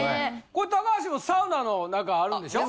これ高橋もサウナの何かあるんでしょ？